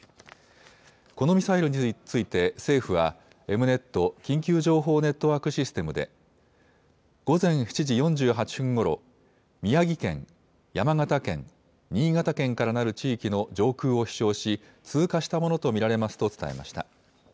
このミサイルについて、政府は、エムネット・緊急情報ネットワークシステムで、午前７時４８分ごろ、宮城県、山形県、新潟県からなる地域の上空を飛しょうし、通過したものと見られますと伝えました。